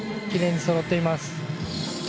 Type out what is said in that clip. きれいにそろっています。